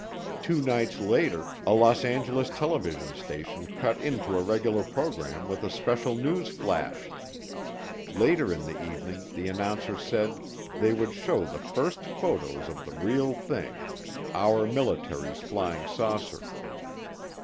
Two nights later a Los Angeles television station cut into a regular program with a special news flash; later in the evening the announcer said they would show the first photos of the real thing, our military's flying saucer.